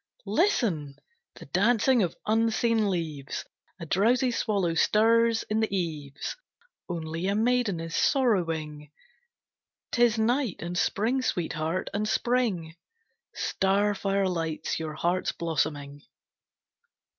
Listen! The dancing of unseen leaves. A drowsy swallow stirs in the eaves. Only a maiden is sorrowing. 'T is night and spring, Sweetheart, and spring! Starfire lights your heart's blossoming.